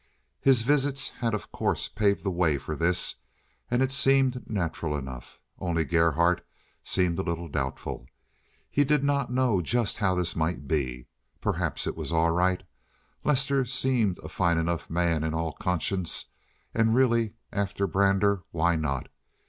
His visits had of course paved the way for this, and it seemed natural enough. Only Gerhardt seemed a little doubtful. He did not know just how this might be. Perhaps it was all right. Lester seemed a fine enough man in all conscience, and really, after Brander, why not?